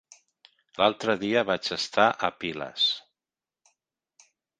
L'altre dia vaig estar a Piles.